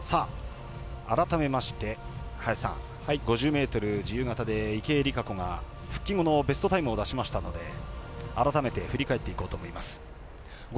改めまして５０ｍ自由形で池江璃花子が復帰後のベストタイムを出しましたので改めて振り返っていこうと思います。